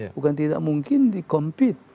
bukan tidak mungkin di compete